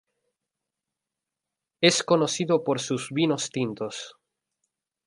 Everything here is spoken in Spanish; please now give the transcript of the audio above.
Es conocido por sus vinos tintos.